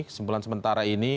kesimpulan sementara ini